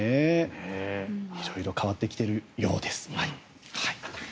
色々変わってきているようです。